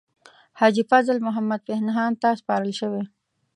حاجي فضل محمد پنهان ته سپارل شوې.